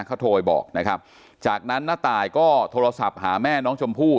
เขาโทรไปบอกนะครับจากนั้นน้าตายก็โทรศัพท์หาแม่น้องชมพู่